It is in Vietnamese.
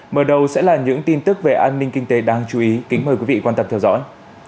mở đầu sẽ là những tin tức về an ninh kinh tế đáng chú ý kính mời quý vị quan tâm theo dõi